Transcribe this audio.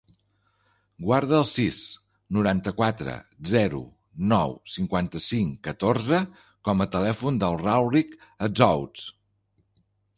Guarda el sis, noranta-quatre, zero, nou, cinquanta-cinc, catorze com a telèfon del Rauric Azzouz.